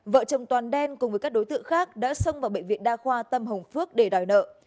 vợ chồng toàn đen cùng với các đối tượng khác đã xông vào bệnh viện đa khoa tâm hồng phước để đòi nợ